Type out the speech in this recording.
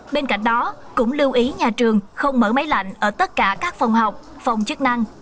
bên cạnh đó cũng lưu ý nhà trường không mở máy lạnh ở tất cả các phòng học phòng chức năng